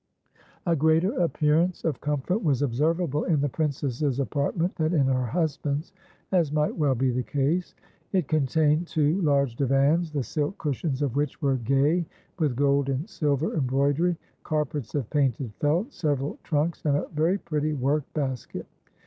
A greater appearance of comfort was observable in the princess's apartment than in her husband's, as might well be the case. It contained two large divans, the silk cushions of which were gay with gold and silver embroidery, carpets of painted felt, several trunks, and a very pretty work basket.